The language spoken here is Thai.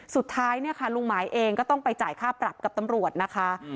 สุดท้ายเนี่ยค่ะลุงหมายเองก็ต้องไปจ่ายค่าปรับกับตำรวจนะคะ